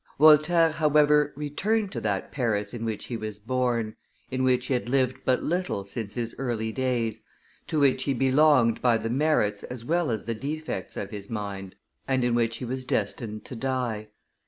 Voltaire, however, returned to that Paris in which he was born, in which he had lived but little since his early days, to which he belonged by the merits as well as the defects of his mind, and in which he was destined to die.